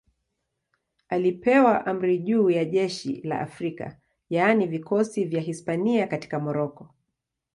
Alipewa amri juu ya jeshi la Afrika, yaani vikosi vya Hispania katika Moroko.